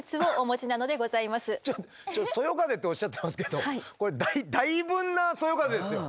ちょっとそよ風っておっしゃってますけどこれだいぶんなそよ風ですよ。